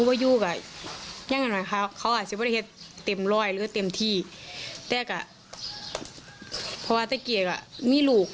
เพราะว่าเจ้าเกียรติอ่ะชอบว่ามีลูก